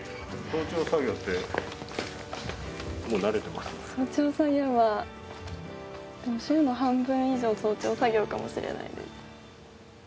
早朝作業はでも週の半分以上早朝作業かもしれないです。